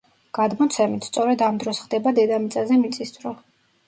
გადმოცემით, სწორედ ამ დროს ხდება დედამიწაზე მიწისძვრა.